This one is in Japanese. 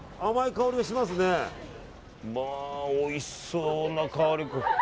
まあ、おいしそうな香り。